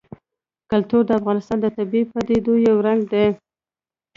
کلتور د افغانستان د طبیعي پدیدو یو رنګ دی.